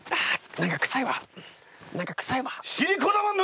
何か臭いわ。